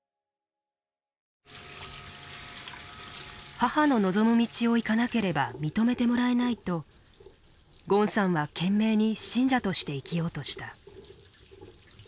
母の望む道を行かなければ認めてもらえないとゴンさんは懸命に信者として生きようとした。